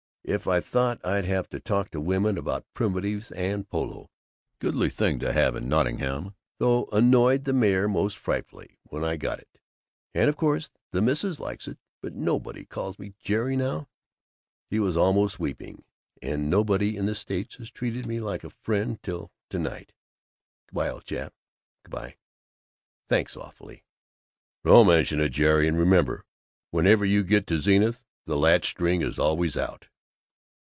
if I'd thought I'd have to talk to women about primitives and polo! Goodish thing to have in Nottingham, though; annoyed the mayor most frightfully when I got it; and of course the missus likes it. But nobody calls me 'Jerry' now " He was almost weeping. " and nobody in the States has treated me like a friend till to night! Good by, old chap, good by! Thanks awfully!" "Don't mention it, Jerry. And remember whenever you get to Zenith, the latch string is always out."